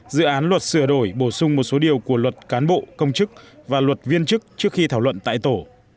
dự án luật sửa đổi bổ sung một số điều của luật cán bộ công chức và luật viên chức trước khi thảo luận tại tổ